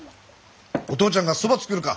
お父ちゃんがそば作るか？